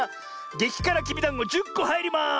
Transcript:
げきからきびだんご１０こはいります！